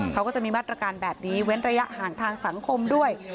เขาก็จะมีมาตรการแบบนี้เว้นระยะห่างทางสังคมด้วย